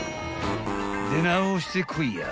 ［出直してこいや］